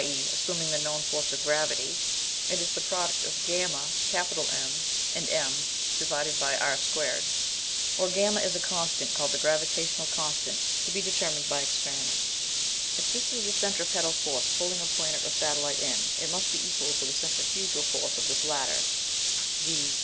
e._ assuming the known force of gravity, it is V Mm/r^2 where V is a constant, called the gravitation constant, to be determined by experiment. If this is the centripetal force pulling a planet or satellite in, it must be equal to the centrifugal force of this latter, viz.